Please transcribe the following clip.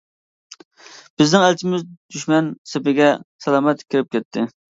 بىزنىڭ ئەلچىمىز دۈشمەن سېپىگە سالامەت كىرىپ كەتتى.